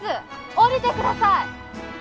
下りてください！